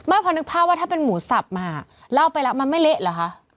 พอนึกภาพว่าถ้าเป็นหมูสับมาเล่าไปแล้วมันไม่เละเหรอคะ